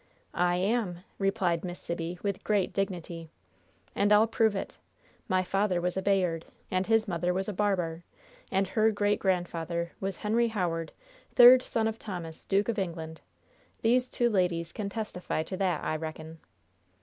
"I am," replied Miss Sibby, with great dignity. "And I'll prove it. My father was a Bayard, and his mother was a Barbar, and her great great grandfather was Henry Howard, third son of Thomas, Duke of England. These two ladies can testify to that, I reckon."